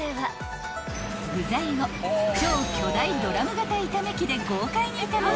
［具材を超巨大ドラム型炒め機で豪快に炒めます］